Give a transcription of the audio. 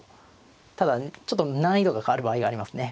ただちょっと難易度が変わる場合がありますね